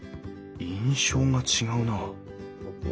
印象が違うなあ。